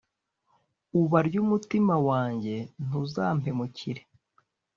uba ry’umutima wanjye ntuza mpemukire